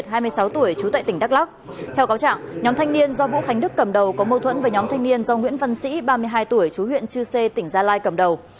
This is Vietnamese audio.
theo cáo trạng nhóm thanh niên do vũ khánh đức cầm đầu có mâu thuẫn với nhóm thanh niên do nguyễn văn sĩ ba mươi hai tuổi chú huyện chư sê tỉnh gia lai cầm đầu